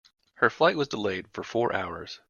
Her flight was delayed for four hours.